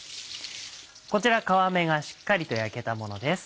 こちら皮目がしっかりと焼けたものです。